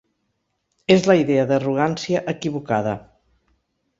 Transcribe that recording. És la idea d'arrogància equivocada.